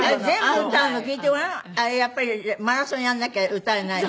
あれやっぱりマラソンやらなきゃ歌えない。